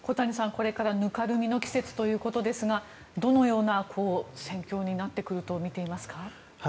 これからぬかるみの季節ということですがどのような戦況になってくるとみていますか？